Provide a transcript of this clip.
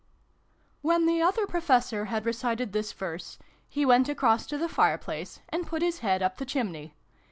When the Other Professor had recited this Verse, he went across to the fire place, and put his head up the chimney.